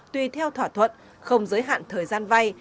tùy theo thỏa thuận không giới hạn thời gian vay